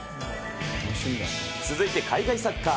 続いて海外サッカー。